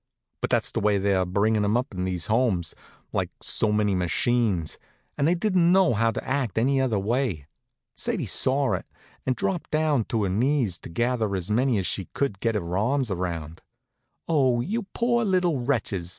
But that's the way they bring 'em up in these Homes, like so many machines, and they didn't know how to act any other way. Sadie saw it, and dropped down on her knees to gather in as many as she could get her arms around. "Oh, you poor little wretches!"